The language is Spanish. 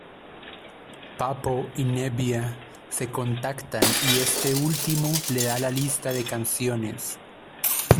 Pappo y Nebbia se contactan y este último le da la lista de canciones.